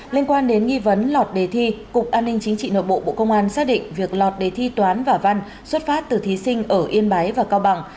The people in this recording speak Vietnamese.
liên quan đến nghi vấn lọt đề thi cục an ninh chính trị nội bộ bộ công an xác định việc lọt đề thi toán và văn xuất phát từ thí sinh ở yên bái và cao bằng